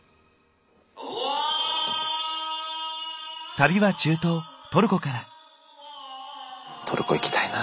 旅は中東トルコから。